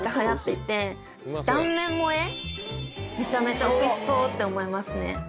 めちゃめちゃおいしそうって思いますね。